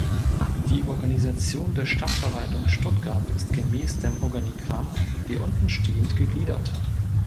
Die Organisation der Stadtverwaltung Stuttgart ist gemäß dem Organigramm wie unten stehend gegliedert.